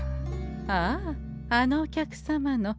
あああのお客様の。